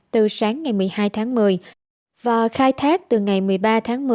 từ sáng ngày một mươi hai tháng một mươi và khai thác từ ngày một mươi ba tháng một mươi